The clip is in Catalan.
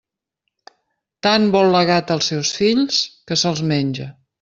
Tant vol la gata els seus fills, que se'ls menja.